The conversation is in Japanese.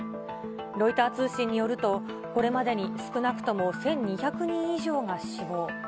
ロイター通信によると、これまでに少なくとも１２００人以上が死亡。